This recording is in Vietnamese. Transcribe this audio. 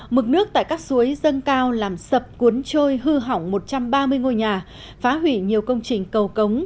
mực nước tại các suối dâng cao làm sập cuốn trôi hư hỏng một trăm ba mươi ngôi nhà phá hủy nhiều công trình cầu cống